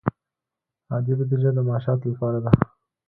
عادي بودجه د معاشاتو لپاره ده